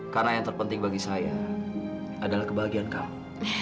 karena yang terpenting bagi saya adalah kebahagiaan kamu